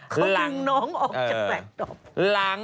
เขาถึงน้องออกจากแสงตอบ